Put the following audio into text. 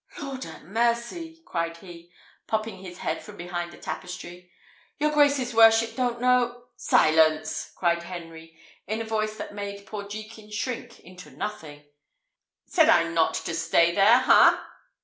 "Lord 'a mercy!" cried he, popping his head from behind the tapestry, "your grace's worship don't know " "Silence!" cried Henry, in a voice that made poor Jekin shrink into nothing: "said I not to stay there ha?"